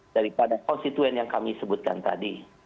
dari pada konstituen yang kami sebutkan tadi